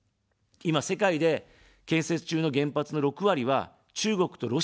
今、世界で建設中の原発の６割は、中国とロシアなんですね。